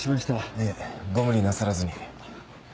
いえご無理なさらずに。